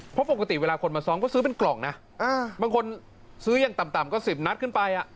เพราะปกติเวลาคนมาซ้อมก็ซื้อเป็นกล่องนะบางคนซื้ออย่างต่ำก็๑๐นัดขึ้นไป